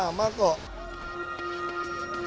ya kita punya kesamaan visi